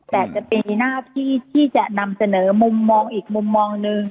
แต่จะเป็นหน้าที่ที่จะนำเสนอมุมมองอีกมุมมองหนึ่ง